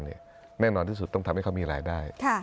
แน่นอนที่สุดต้องทำให้เขามีรายได้